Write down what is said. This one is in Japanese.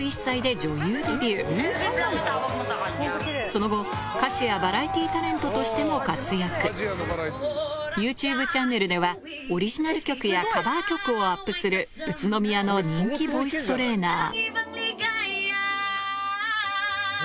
その後 ＹｏｕＴｕｂｅ チャンネルではオリジナル曲やカバー曲をアップする宇都宮の人気ボイストレーナー